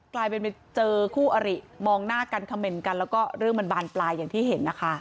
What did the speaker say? กลายเป็นไปเจอคู่อริมองหน้ากันคำเมนต์กันแล้วก็เรื่องมันบานปลายอย่างที่เห็นนะคะ